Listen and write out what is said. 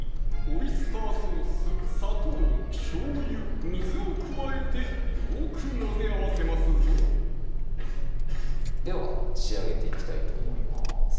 オイスターソース・砂糖・しょうゆ・水を加えてよく混ぜ合わせますぞでは仕上げていきたいと思います